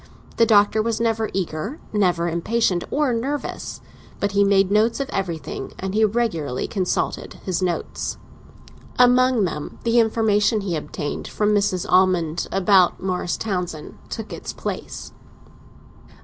The Doctor was never eager, never impatient nor nervous; but he made notes of everything, and he regularly consulted his notes. Among them the information he obtained from Mrs. Almond about Morris Townsend took its place.